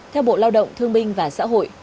theo bộ lao động thương minh và xã hội